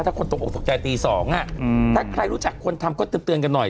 ถ้าคนตกออกตกใจตี๒ถ้าใครรู้จักคนทำก็เตือนกันหน่อย